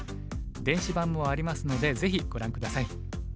電子版もありますのでぜひご覧下さい。